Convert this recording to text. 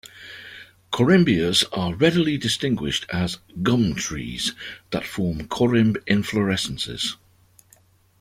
Corymbias are readily distinguished as "gum trees" that form corymb inflorescences.